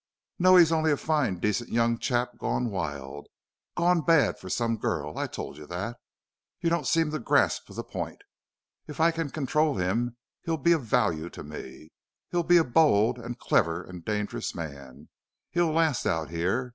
"No. He's only a fine, decent young chap gone wild gone bad for some girl. I told you that. You don't seem to grasp the point. If I can control him he'll be of value to me he'll be a bold and clever and dangerous man he'll last out here.